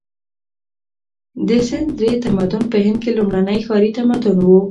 د سند درې تمدن په هند کې لومړنی ښاري تمدن و.